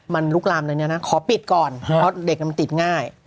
มันลุกลามเลยเนี่ยนะขอปิดก่อนเพราะเด็กมันติดง่าย